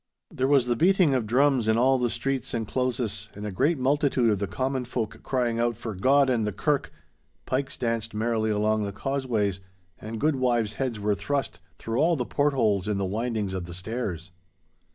There was the beating of drums in all the streets and closes, and a great multitude of the common folk crying out 'For God and the Kirk!' Pikes danced merrily along the causeways, and good wives' heads were thrust through all the port holes in the windings of the stairs.